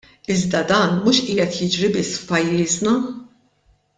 Iżda dan mhux qiegħed jiġri biss f'pajjiżna.